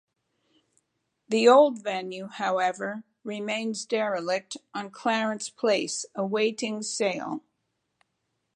The old venue however remains derelict on Clarence Place awaiting sale.